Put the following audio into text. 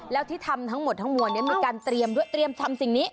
แล้วที่ทำทั้งหมดทั้งมวลมีการเตรียมด้วยเตรียมทำสิ่งนี้